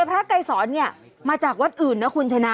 ไกรสอนเนี่ยมาจากวัดอื่นนะคุณชนะ